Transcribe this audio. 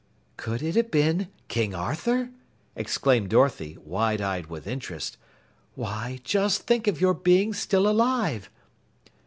"Could it have been King Arthur?" exclaimed Dorothy, wide eyed with interest. "Why, just think of your being still alive!"